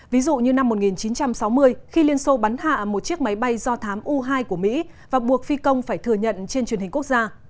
ví dụ như năm một nghìn chín trăm sáu mươi khi liên xô bắn hạ một chiếc máy bay do thám u hai của mỹ và buộc phi công phải thừa nhận trên truyền hình quốc gia